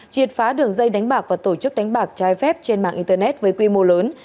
triệt phá đường dây đánh bạc và tổ chức đánh bạc trái phép trên mạng internet với quy mô lớn